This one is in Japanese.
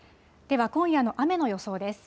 では今夜の雨の予想です。